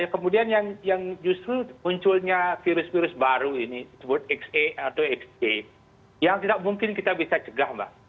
kemudian yang justru munculnya virus virus baru ini disebut xa atau xa yang tidak mungkin kita bisa cegah mbak